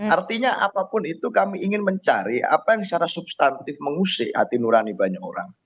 artinya apapun itu kami ingin mencari apa yang secara substantif mengusik hati nurani banyak orang